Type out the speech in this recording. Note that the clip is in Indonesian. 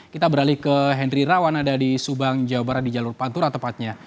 kita beralih ke henry rawan ada di subang jawa barat di jalur pantura tepatnya